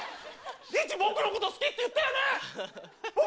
リチ僕のこと好きって言ったよね